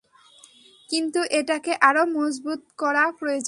কিন্তু এটাকে আরো মজবুত করা প্রয়োজন।